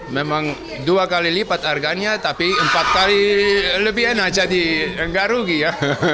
memang dua kali lipat harganya tapi empat kali lebih enak jadi nggak rugi ya